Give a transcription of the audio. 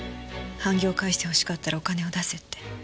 版木を返してほしかったらお金を出せって。